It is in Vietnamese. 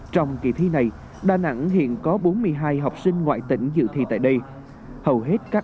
trong kỳ thi này đà nẵng hiện có bốn mươi hai học sinh ngoại tỉnh